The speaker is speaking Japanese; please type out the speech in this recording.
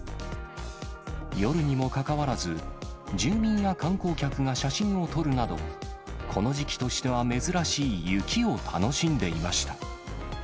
夜にもかかわらず、住民や観光客が写真を撮るなど、この時期としては珍しい雪を楽しんでいました。